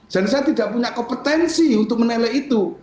dan saya tidak punya kompetensi untuk menelai itu